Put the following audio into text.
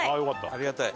ありがたい。